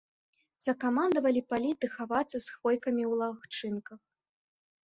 Закамандавалі паліць ды хавацца за хвойкамі і ў лагчынках.